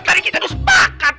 tadi kita tuh sepakat